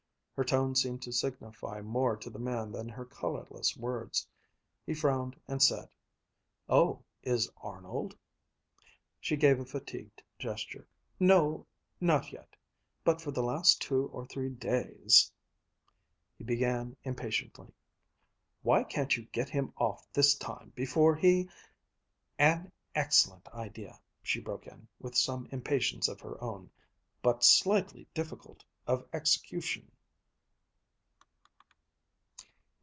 Her tone seemed to signify more to the man than her colorless words. He frowned and said, "Oh, is Arnold ...?" She gave a fatigued gesture. "No not yet but for the last two or three days ..." He began impatiently, "Why can't you get him off this time before he...." "An excellent idea," she broke in, with some impatience of her own. "But slightly difficult of execution."